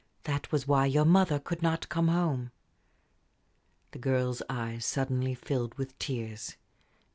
"That was why your mother could not come home." The girl's eyes suddenly filled with tears.